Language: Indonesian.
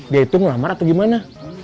dia itu ngelamar atau gimana